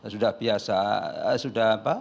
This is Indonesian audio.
sudah biasa sudah